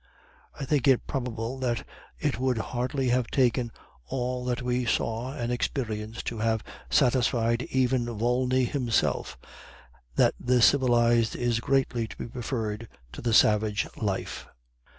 I think it probable that it would hardly have taken all that we saw and experienced to have satisfied even Volney himself, that the civilized is greatly to be prefered to the savage life.